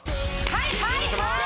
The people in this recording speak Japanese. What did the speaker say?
はいはいはーい！